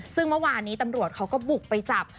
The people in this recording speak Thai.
ซึ่งเมื่อวานนี้ตำรวจเขาก็บุกไปจับ